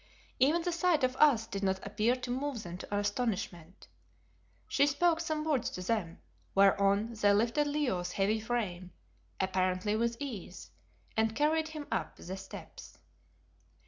Even the sight of us did not appear to move them to astonishment. She spoke some words to them, whereon they lifted Leo's heavy frame, apparently with ease, and carried him up the steps.